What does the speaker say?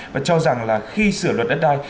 và cho rằng khi sửa luật đất đai